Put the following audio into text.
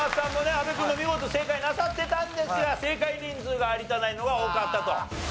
阿部君も見事正解なさってたんですが正解人数が有田ナインの方が多かったと。